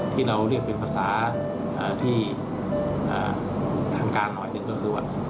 ที่เราเรียกเป็นภาษาที่ทางการหน่อยหนึ่งก็คือว่า